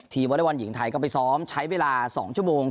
ทีมวรรดิวัลหญิงไทยก็ไปซ้อมใช้เวลาสองชั่วโมง